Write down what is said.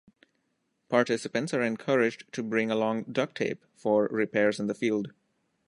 Participants are encouraged to bring along duct tape for "repairs in the field".